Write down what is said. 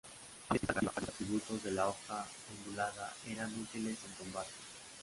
Aunque es principalmente decorativa, algunos atributos de la hoja ondulada eran útiles en combate.